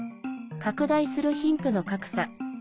拡大する貧富の格差。